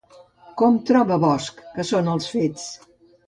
Com troba Bosch que són els fets?